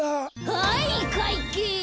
はいかいけつ！